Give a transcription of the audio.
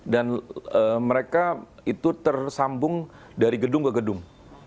dan mereka itu tersambung dari gedung ke gedung